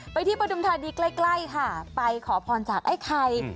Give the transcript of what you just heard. ที่ปฐุมธานีใกล้ค่ะไปขอพรจากไอ้ไข่